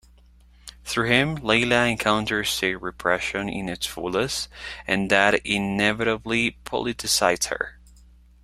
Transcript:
Through him, Leyla encountered state repression in its fullest, and that inevitably politicized her.